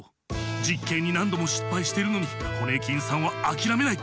じっけんになんどもしっぱいしてるのにホネーキンさんはあきらめない。